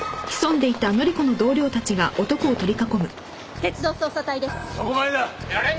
鉄道捜査隊です。